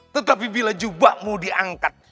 tetapi bila jubahmu diangkat